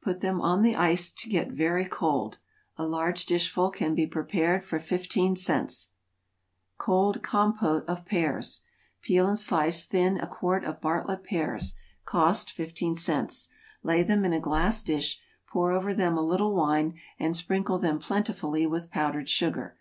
Put them on the ice to get very cold. A large dishful can be prepared for fifteen cents. =Cold Compôte of Pears.= Peel and slice thin a quart of Bartlett pears, (cost fifteen cents,) lay them in a glass dish, pour over them a little wine, and sprinkle them plentifully with powdered sugar.